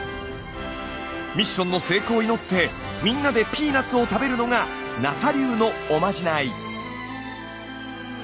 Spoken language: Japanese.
ミッションの成功を祈ってみんなでピーナツを食べるのがＮＡＳＡ流のおまじない。